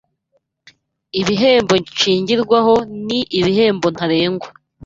ibihembo nshingirwaho n ibihembo ntarengwa